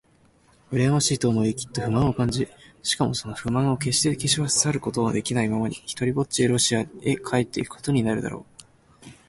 うらやましいと思い、きっと不満を感じ、しかもその不満をけっして消し去ることもできないままに、ひとりぽっちでロシアへ帰っていくことになるだろう。